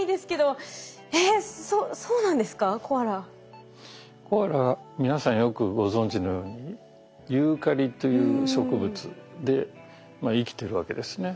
コアラ皆さんよくご存じのようにユーカリという植物で生きてるわけですね。